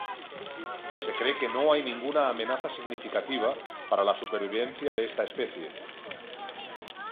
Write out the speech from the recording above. Se cree que no hay ninguna amenaza significativa para la supervivencia de esta especie.